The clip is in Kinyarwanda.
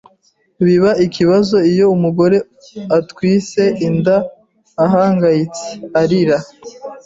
Biba ikibazo iyo umugore atwise inda ahangayitse, arira,